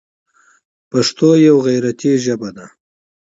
پښتو یوه غیرتي ژبه ده.